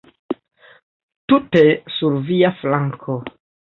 Tute sur via flanko.